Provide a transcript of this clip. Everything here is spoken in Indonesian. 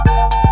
kau mau kemana